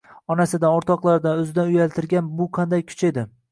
Onasidan, o`rtoqlaridan, o`zidan uyaltirgan bu qanday kuch edi